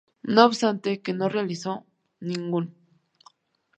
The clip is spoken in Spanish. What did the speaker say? No obstante que no realizó ningún.